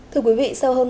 thưa quý vị sau hơn